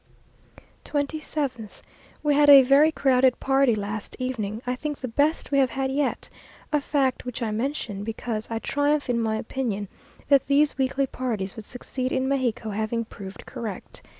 27th. We had a very crowded party last evening, I think the best we have had yet, a fact which I mention, because I triumph in my opinion that these weekly parties would succeed in Mexico having proved correct.